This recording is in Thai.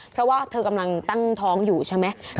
เพราะว่าเธอกำลังตั้งท้องอยู่ใช่ไหม